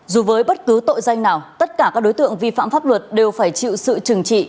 dù với bất cứ tội danh nào tất cả các đối tượng vi phạm pháp luật đều phải chịu sự trừng trị